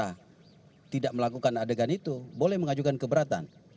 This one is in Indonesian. pihak atau tersangka yang merasa tidak melakukan adegan itu boleh mengajukan keberatan